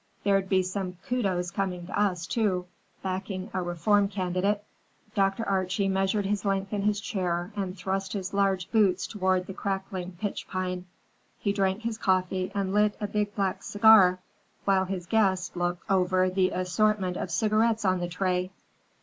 There'd be some kudos coming to us, too; backing a reform candidate." Dr. Archie measured his length in his chair and thrust his large boots toward the crackling pitch pine. He drank his coffee and lit a big black cigar while his guest looked over the assortment of cigarettes on the tray.